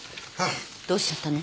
どうしちゃったの？